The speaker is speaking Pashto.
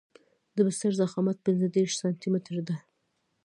د بستر ضخامت پنځه دېرش سانتي متره دی